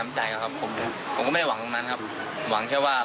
คุณพีชบอกไม่อยากให้เป็นข่าวดังเหมือนหวยโอนละเวง๓๐ใบจริงและก็รับลอตเตอรี่ไปแล้วด้วยนะครับ